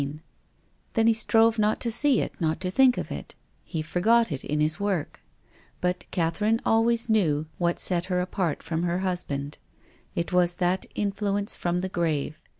l68 TONGUES OF CONSCIENCE. Then he strove not to see it, not to think of it. He forgot it in his work. But Catherine always knew what set her apart from her husband. It was that influence from the grave.